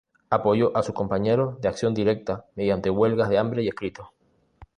Apoyó a sus compañeros de Acción Directa mediante huelgas de hambre y escritos.